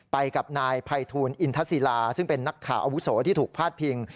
ไปกับนายภัยทูลอินทศิลาซึ่งเป็นนักข่าวอาวุโสที่ถูกพาดพิง